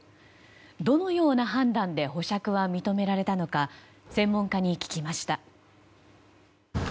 どのような判断で保釈は認められたのか専門家に聞きました。